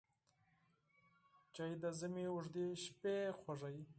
چای د ژمي اوږدې شپې خوږوي